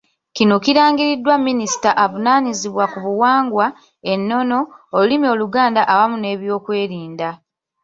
Kino kirangiriddwa Minisita avunaanyizibwa ku buwangwa, ennono, olulimi Oluganda awamu n’ebyokwerinda.